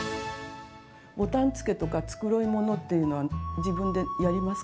ボタンつけとか繕い物っていうのは自分でやりますか？